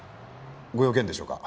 ご用件でしょうか？